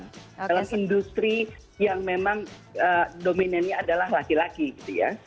dalam industri yang memang dominannya adalah laki laki gitu ya